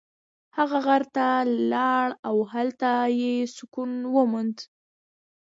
هغه غره ته لاړ او هلته یې سکون وموند.